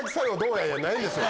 やないんですよ！